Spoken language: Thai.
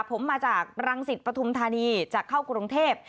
ผมมาจากรังสิตปฐุมธานีจะเข้ากรุงเทพ